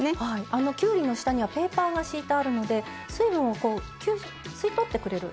あのきゅうりの下にはペーパーが敷いてあるので水分をこう吸収吸い取ってくれる。